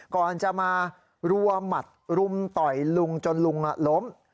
ก่อนจะมารัวหมัดรุมต่อยลุงจนลุงล้ม